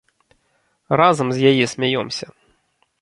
Разам з яе смяёмся.